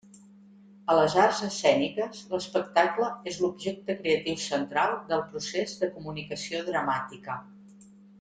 A les arts escèniques, l'espectacle és l'objecte creatiu central del procés de comunicació dramàtica.